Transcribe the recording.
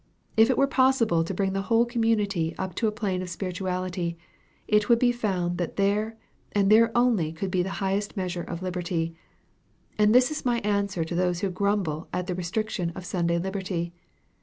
If it were possible to bring the whole community up to a plane of spirituality, it would be found that there and there only could be the highest measure of liberty. And this is my answer to those who grumble at the restriction of Sunday liberty.